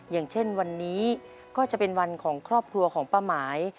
อย่างเช่นวันนี้ก็จะเป็นวันของครอบครัวของป้าหมาย